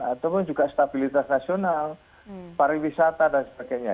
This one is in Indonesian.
ataupun juga stabilitas nasional pariwisata dan sebagainya